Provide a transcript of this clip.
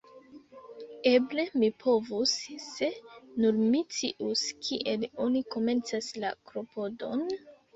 Eble mi povus, se nur mi scius kiel oni komencas la klopodon?